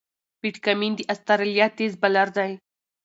پیټ کمېن د استرالیا تېز بالر دئ.